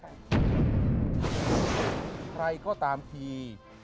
ใครก็ตามที